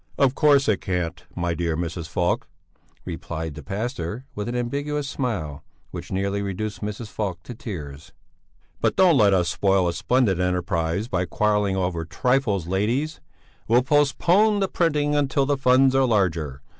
"Of course it can't, my dear Mrs. Falk," replied the pastor, with an ambiguous smile, which nearly reduced Mrs. Falk to tears. "But don't let us spoil a splendid enterprise by quarrelling over trifles, ladies! We'll postpone the printing until the funds are larger.